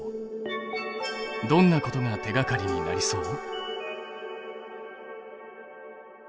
どんなことが手がかりになりそう？